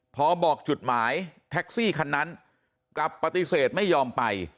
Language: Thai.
พอบอกจุดหมายแท็กซี่คันนั้นกลับปฏิเสธไม่ยอมไป